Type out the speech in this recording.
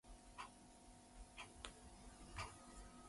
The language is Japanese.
早くあなたの頭に瓶の中の香水をよく振りかけてください